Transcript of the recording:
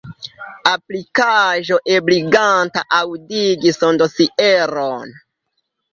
Aplikaĵo ebliganta aŭdigi sondosieron.